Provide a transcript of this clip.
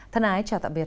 thân ái chào tạm biệt